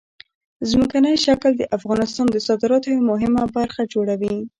ځمکنی شکل د افغانستان د صادراتو یوه مهمه برخه جوړوي.